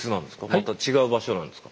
また違う場所なんですか？